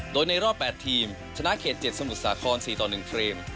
โดยในรอบ๘ทีมชนะเขต๗สมุทรสาคร๔ต่อ๑เฟรม